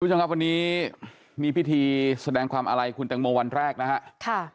ทุกท่านครับวันนี้มีพิธีแสดงความอะไรคุณแต่งโมวันแรกนะฮะ